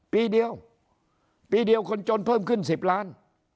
ปีเดียวปีเดียวคนจนเพิ่มขึ้น๑๐ล้าน